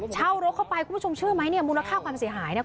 เช่ารถเข้าไปคุณผู้ชมเชื่อไหมเนี่ยมูลค่าความเสียหายเนี่ย